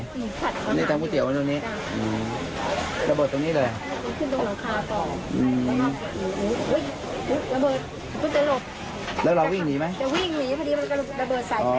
เราวิ่งหรือพอดีมันก็ระเบิดใส่ไปเอาพ่อ